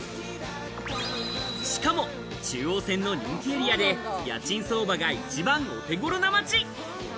しかも中央線の人気エリアで、家賃相場が一番お手頃な町。